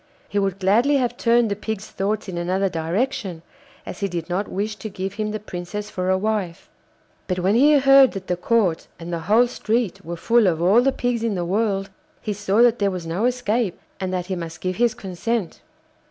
He would gladly have turned the Pig's thoughts in another direction, as he did not wish to give him the Princess for a wife; but when he heard that the Court and the whole street were full of all the pigs in the world he saw that there was no escape, and that he must give his consent.